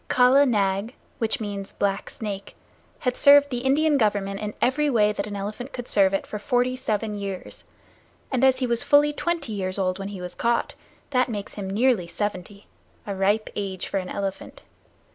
Kala Nag, which means Black Snake, had served the Indian Government in every way that an elephant could serve it for forty seven years, and as he was fully twenty years old when he was caught, that makes him nearly seventy a ripe age for an elephant.